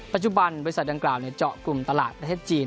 ปัจจุบันบริษัทดังกล่าวเจาะกลุ่มตลาดประเทศจีน